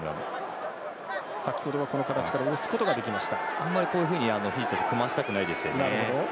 あんまり、こういうふうに組ませたくないですよね。